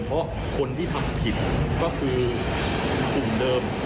เพราะคนที่ทำผิดก็คือกลุ่มเดิม